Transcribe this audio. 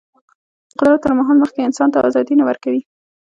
قدرت تر مهار مخکې انسان ته ازادي نه ورکوي.